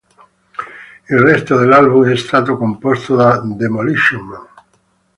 Il resto dell'album è stato composto da Demolition Man.